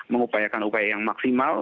mengupayakan upaya yang maksimal